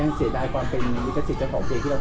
อื้มเสียดายมั้ยเหมือนก็มันถึงความรู้สึกมาก็ยังเป็นเพลง